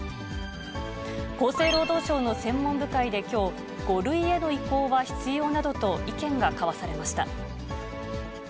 厚生労働省の専門部会できょう、５類への移行は必要などと、意見が交わされました。